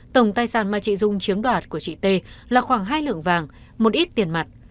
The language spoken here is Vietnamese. tổng tài sản mà chị dung chiếm đoạt của chị t là khoảng hai lượng vàng một ít tiền mặt